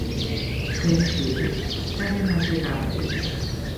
დღეს დილით ძალიან ადრე გამეღვიძა.